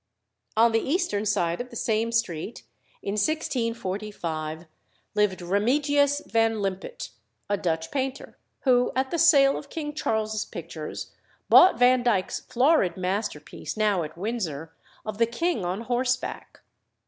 On the eastern side of the same street, in 1645, lived Remigius van Limput, a Dutch painter, who, at the sale of King Charles's pictures, bought Vandyke's florid masterpiece, now at Windsor, of the king on horseback.